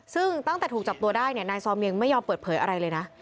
ซึ่งตั้งแต่ถูกจับตัวได้เนี่ยนายซอมเมียงไม่ยอมเปิดเผยอะไรเลยนะ